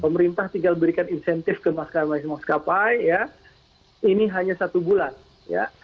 pemerintah tinggal berikan insentif ke maskapai maskapai ya ini hanya satu bulan ya